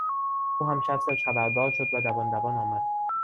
او هم شستش خبردار شد و دوان دوان آمد.